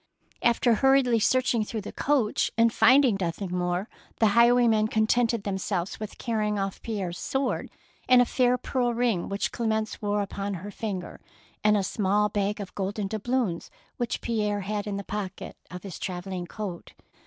After hurriedly searching through the coach and finding nothing more, the highwaymen contented themselves with carrying off Pierre's sword and a fair pearl ring which Clemence wore upon her finger, and a small bag of golden doubloons which Pierre had in the pocket of his travelling coat.